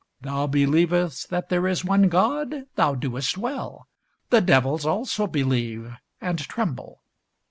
Thou believest that there is one God; thou doest well: the devils also believe, and tremble.